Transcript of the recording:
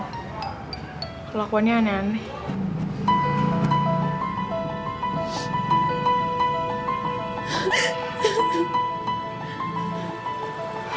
kelakuan nya aneh aneh